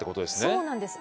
そうなんです。